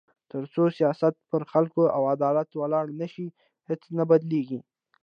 تر څو سیاست پر خلکو او عدالت ولاړ نه شي، هیڅ نه بدلېږي.